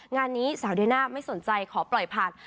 งานนี้สาวเดียน่าไม่สนใจขอปล่อยผ่าน